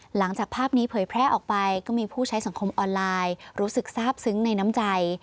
หลังจากภาพนี้เผยแพร่ออกไปก็มีผู้ใช้สังคมออนไลน์รู้สึกทราบซึ้งในน้ำใจ